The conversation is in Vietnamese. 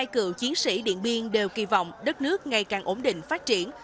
một mươi hai cựu chiến sĩ điện biên đều kỳ vọng đất nước ngày càng ổn định phát triển